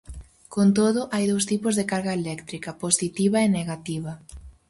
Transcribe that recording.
Con todo, hai dous tipos de carga eléctrica, positiva e negativa.